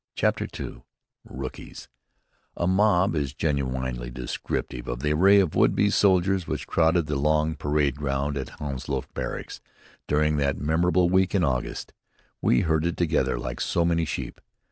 CHAPTER II ROOKIES "A mob" is genuinely descriptive of the array of would be soldiers which crowded the long parade ground at Hounslow Barracks during that memorable last week in August. We herded together like so many sheep.